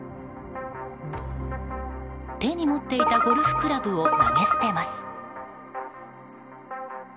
手に持っていたゴルフクラブを投げ捨てます。